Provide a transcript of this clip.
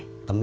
nggak ada be